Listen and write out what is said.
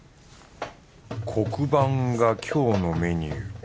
黒板が今日のメニュー。